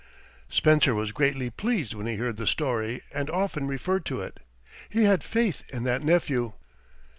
Spencer was greatly pleased when he heard the story and often referred to it. He had faith in that nephew.